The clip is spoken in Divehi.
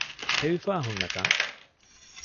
ހެވިފައި ހުންނަ ތަން